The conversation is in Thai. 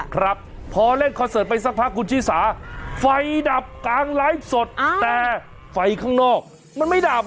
ครับพอเล่นคอนเสิร์ตไปสักพักคุณชิสาไฟดับกลางไลฟ์สดแต่ไฟข้างนอกมันไม่ดับ